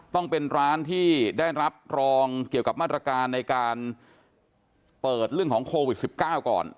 ต้องเป็นร้านที่ได้รับรองเกี่ยวกับมาตรการในการเปิดเรื่องของโควิด๑๙ก่อน